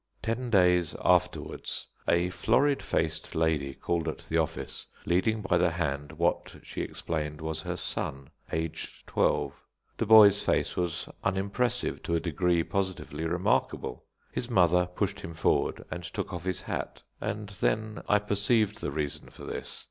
Ten days afterwards a florid faced lady called at the office, leading by the hand what, she explained, was her son, aged twelve. The boy's face was unimpressive to a degree positively remarkable. His mother pushed him forward and took off his hat, and then I perceived the reason for this.